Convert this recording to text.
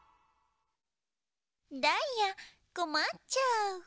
ダイヤこまっちゃう。